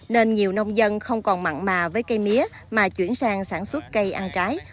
nên nhiều nông dân không còn mặn mà với cây mía mà chuyển sang sản xuất cây ăn trái